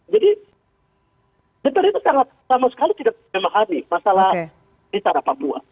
jadi dprd itu sama sekali tidak memahami masalah tanah papua